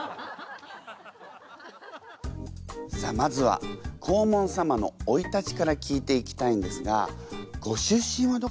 さあまずは黄門様のおいたちから聞いていきたいんですがご出身はどこなんですか？